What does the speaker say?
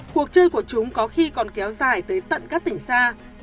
cuộc chơi của chúng có khi còn kéo dài tới tận các tỉnh xa